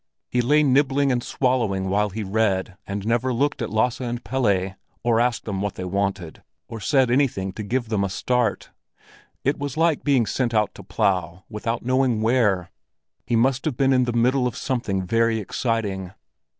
He lay nibbling and swallowing while he read, and never looked at Lasse and Pelle, or asked them what they wanted, or said anything to give them a start. It was like being sent out to plough without knowing where. He must have been in the middle of something very exciting.